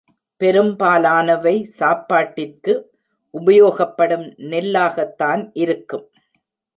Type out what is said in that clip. பெரும்பாலானவை சாப்பாட்டிற்கு உபயோகப்படும் நெல்லாகத்தான் இருக்கும்.